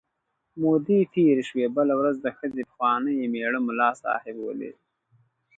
مودې تېرې شوې، بله ورځ د ښځې پخواني مېړه ملا صاحب ولید.